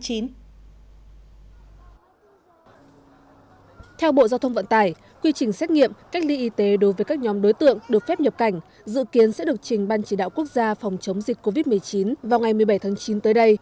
theo bộ giao thông vận tải quy trình xét nghiệm cách ly y tế đối với các nhóm đối tượng được phép nhập cảnh dự kiến sẽ được trình ban chỉ đạo quốc gia phòng chống dịch covid một mươi chín vào ngày một mươi bảy tháng chín tới đây